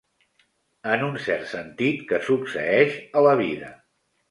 En un cert sentit, que succeeix a la vida.